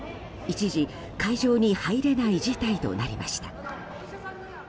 一時、会場に入れない事態となりました。